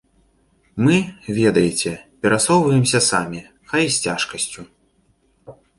Мы, ведаеце, перасоўваемся самі, хай і з цяжкасцю.